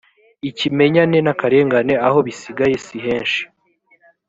ikimenyane n akarengane aho bisigaye si henshi